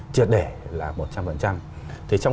triệt để là một trăm linh thì trong